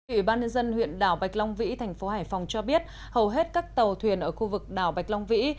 ủy ban nhân dân huyện đảo bạch long vĩ thành phố hải phòng cho biết hầu hết các tàu thuyền ở khu vực đảo bạch long vĩ